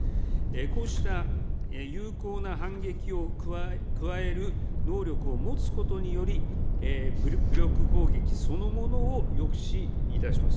こうした有効な反撃を加える能力を持つことにより、武力攻撃そのものを抑止いたします。